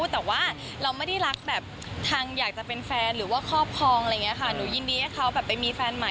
เปิดปากบอกว่ารู้สึกสบายใจนะที่จากนี้ไปเนี่ยจะสามารถลงรูปคู่กับพี่ชายได้แบบเปิดเผยจ้า